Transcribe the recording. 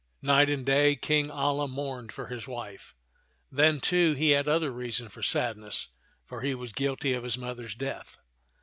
Night and day King Alia mourned for his wife. Then, too, he had other reason for sadness, for he was guilty of his mother's death.